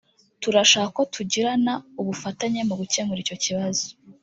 turashaka ko tugirana ubufatanye mu gukemura icyo kibazo